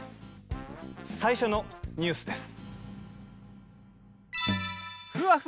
最初のニュースです。